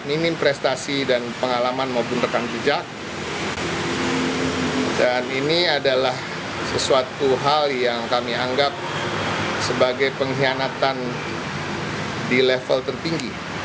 ini adalah hal yang kami anggap sebagai pengkhianatan di level tertinggi